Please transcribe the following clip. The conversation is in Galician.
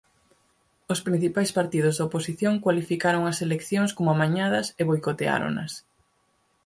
Os principais partidos da oposición cualificaron as eleccións como amañadas e boicoteáronas.